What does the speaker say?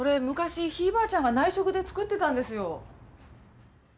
昔ひいばあちゃんが内職で作ってたんですよ。